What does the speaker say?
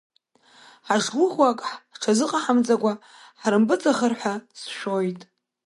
Ҳашгәыӷуа ак ҳҽазыҟамҵаӡакәа ҳрымпыҵахар ҳәа сшәоит.